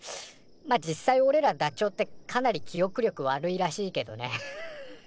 まあ実際おれらダチョウってかなり記おく力悪いらしいけどね。